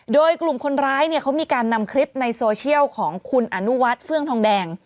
โดยกลุ่มคนร้ายเนี่ยเขามีการนำคลิปในโซเชียลของคุณอนุวัฒน์เฟื่องทองแดง